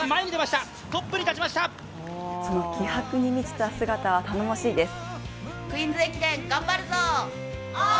その気迫に満ちた姿は頼もしいです。